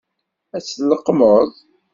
Ad tt-tleqqmeḍ?